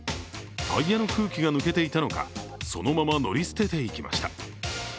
タイヤの空気が抜けていたのか、そのまま乗り捨てていきました。